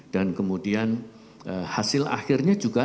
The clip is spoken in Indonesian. dan kemudian hasil akhirnya juga